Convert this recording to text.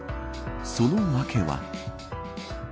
その訳は。